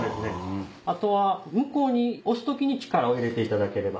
あとは向こうに押す時力を入れていただければ。